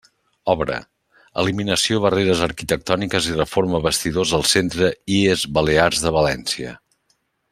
Obra: eliminació barreres arquitectòniques i reforma vestidors al centre IES Balears de València.